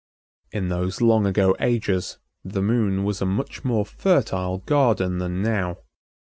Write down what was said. In those long ago ages the Moon was a much more fertile garden than now.